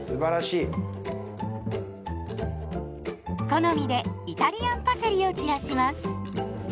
好みでイタリアンパセリを散らします。